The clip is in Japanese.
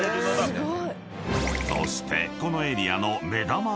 ［そしてこのエリアの］